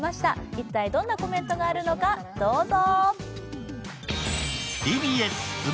一体どんなコメントがあるのか、どうぞ。